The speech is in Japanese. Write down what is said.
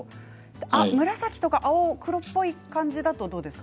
紫や青、黒っぽい感じだとどうですか？